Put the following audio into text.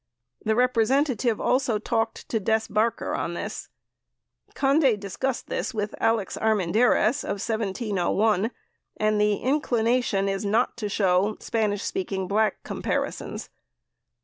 The representative also talked to Des Barker on this. Conde discussed this with Alex Armendariz of 1701 and the inclination is not to show SS Black comparisons.